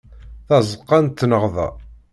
Tazeqqa n tneɣda.